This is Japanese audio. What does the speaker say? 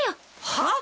はあ！？